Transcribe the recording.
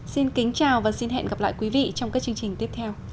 xin kính chào và xin hẹn gặp lại quý vị trong các chương trình tiếp theo